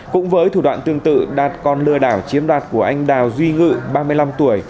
cũng với thủ đoạn tương tự đạt còn lừa đảo chiếm đoạt của anh đào duy ngự ba mươi năm tuổi